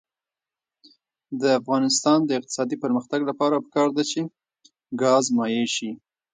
د افغانستان د اقتصادي پرمختګ لپاره پکار ده چې ګاز مایع شي.